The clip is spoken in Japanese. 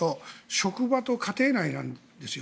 職場と家庭内なんですよ。